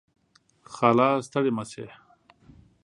خاله . ستړې مشې